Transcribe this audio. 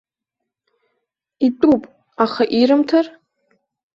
Итәуп, аха ирымҭар?